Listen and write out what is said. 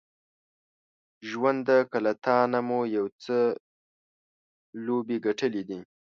ژونده که له تانه مو یو څو لوبې ګټلې دي